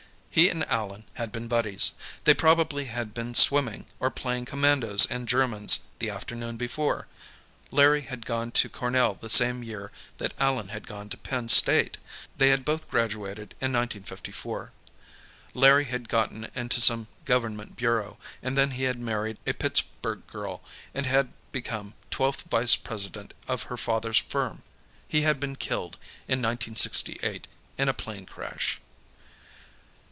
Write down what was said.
He and Allan had been buddies. They probably had been swimming, or playing Commandos and Germans, the afternoon before. Larry had gone to Cornell the same year that Allan had gone to Penn State; they had both graduated in 1954. Larry had gotten into some Government bureau, and then he had married a Pittsburgh girl, and had become twelfth vice president of her father's firm. He had been killed, in 1968, in a plane crash.